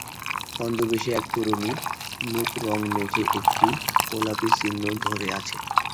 ছদ্মবেশী এক তরুণী মুখে রঙ মেখে একটি গোলাপী চিহ্ন ধরে আছে।